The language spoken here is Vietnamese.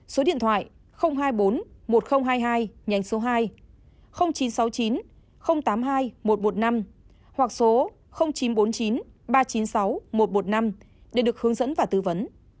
số điện thoại hai mươi bốn một nghìn hai mươi hai nhánh số hai chín trăm sáu mươi chín tám mươi hai một trăm một mươi năm hoặc số chín trăm bốn mươi chín ba trăm chín mươi sáu một trăm một mươi năm để được hướng dẫn và tư vấn